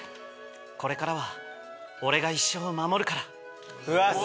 これからは俺が一生守るから。